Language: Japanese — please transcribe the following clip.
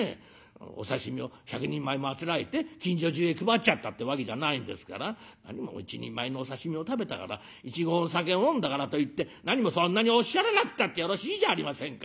お刺身を１００人前もあつらえて近所中へ配っちゃったってわけじゃないんですから何も一人前のお刺身を食べたから１合のお酒を飲んだからといって何もそんなにおっしゃらなくたってよろしいじゃありませんか」。